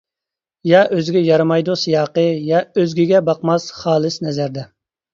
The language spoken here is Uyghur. يا ئۆزىگە يارىمايدۇ سىياقى، يا ئۆزگىگە باقماس خالىس نەزەردە.